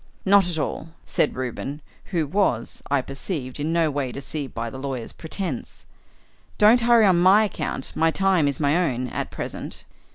"Not at all," said Reuben, who was, I perceived, in no way deceived by the lawyer's pretence. "Don't hurry on my account; my time is my own at present."